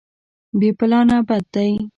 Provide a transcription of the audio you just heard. بې پلانه بد دی.